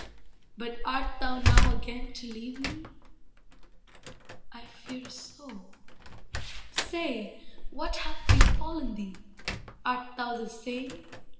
But art thou now again to leave me? I fear so. Say, what hath befallen thee? Art thou the same?